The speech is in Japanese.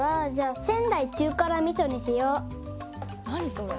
それ。